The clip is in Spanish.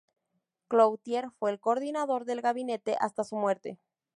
Clouthier fue el coordinador del gabinete hasta su muerte.